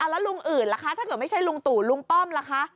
แล้วลุงอื่นล่ะคะถ้าเกิดไม่ใช่ลุงตู่ลุงป้อมล่ะคะ